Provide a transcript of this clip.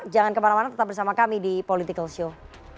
jangan kemana mana tetap bersama kami di political show